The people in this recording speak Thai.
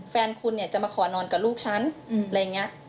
แฟนคุณเนี่ยจะมาขอนอนกับลูกฉันอะไรอย่างนี้